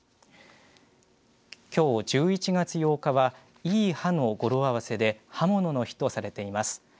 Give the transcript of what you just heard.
きょう１１月８日はいいはの語呂合わせで刃物の日とされています。